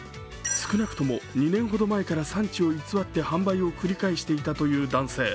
少なくとも２年ほど前から産地を偽って販売を繰り返していたという男性。